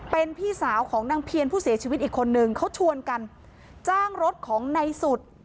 เป็นพี่สาวของนางเพียรผู้เสียชีวิตอีกคนนึงเขาชวนกันจ้างรถของในสุด